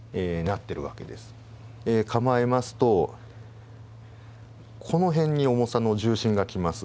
構えますとこの辺に重さの重心が来ます。